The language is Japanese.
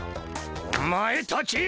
おまえたち！